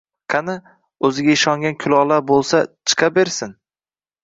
Qani, o‘ziga ishongan kulollar bo‘lsa chiqa bersin